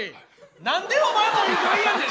何でお前も意外やねん！